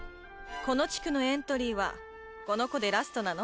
この地区のエントリーはこの子でラストなの？